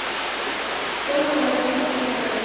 Todas las calabazas son de tamaño grande.